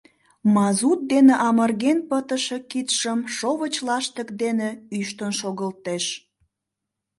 Мазут дене амырген пытыше кидшым шовыч лаштык дене ӱштын шогылтеш.